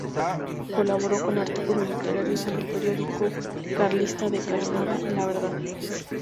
Colaboró con artículos literarios en el periódico carlista de Granada "La Verdad".